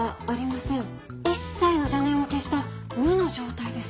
一切の邪念を消した無の状態です。